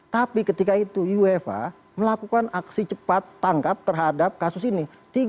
tapi ketika itu uefa melakukan aksi cepat tangkap terhadap kasus ini